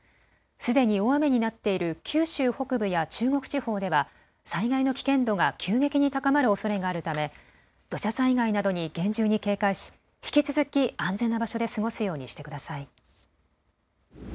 すでに大雨になっている九州北部や中国地方では災害の危険度が急激に高まるおそれがあるため土砂災害などに厳重に警戒し引き続き安全な場所で過ごすようにしてください。